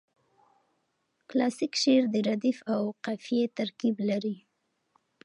کلاسیک شعر د ردیف او قافیه ترکیب لري.